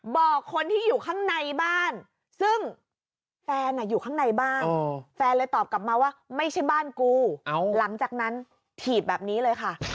บอกคนที่อยู่ข้างในบ้านซึ่งแฟนอยู่ข้างในบ้านแฟนเลยตอบกลับมาว่าไม่ใช่บ้านกูหลังจากนั้นถีบแบบนี้เลยค่ะ